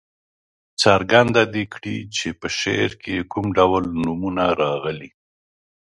څرګنده دې کړي چې په شعر کې کوم ډول نومونه راغلي.